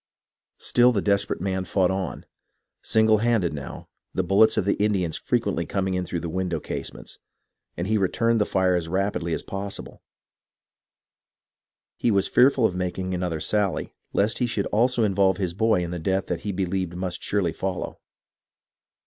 Still the desperate man fought on, single handed now, the bullets of the Indians frequently coming in through the window casements, and he returning the fire as rapidly as possible. He was fearful of making another sally, lest he should also involve his boy in the death that he be lieved must surely follow.